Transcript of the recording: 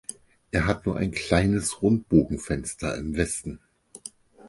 Er hat nur ein kleines Rundbogenfenster im Westen.